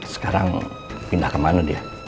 sekarang pindah ke mana dia